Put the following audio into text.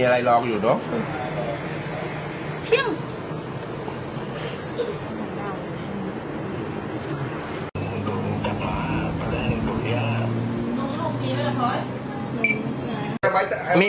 มันจะเจ็บไง